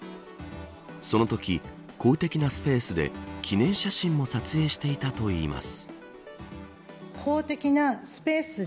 そのとき、公的なスペースで記念写真も撮影していたといいます。